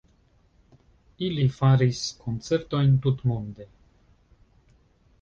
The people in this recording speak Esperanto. Ili faris koncertojn tutmonde.